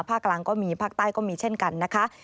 กลางก็มีภาคใต้ก็มีเช่นกันนะคะ